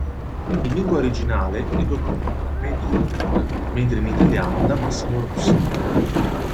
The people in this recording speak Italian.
In lingua originale è doppiato da Matthew Wood, mentre in italiano da Massimo Rossi.